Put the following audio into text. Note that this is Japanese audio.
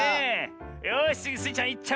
よしつぎスイちゃんいっちゃおう！